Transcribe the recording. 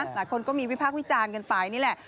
หลายคนก็มีวิพากษ์วิจารณ์กันไปนี่แหละ